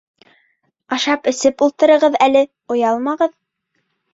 Ашап-эсеп ултырығыҙ әле, оялмағыҙ.